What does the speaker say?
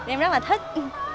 em rất là thích